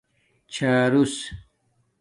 چھارُوس